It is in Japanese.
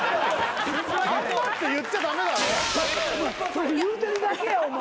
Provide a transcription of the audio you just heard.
それ言うてるだけやお前。